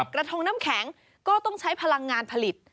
กระทงน้ำแข็งก็ต้องใช้พลังงานผลิต